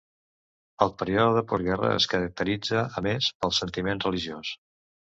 El període de postguerra es caracteritza, a més, pel sentiment religiós.